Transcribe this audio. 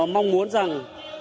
mong muốn rằng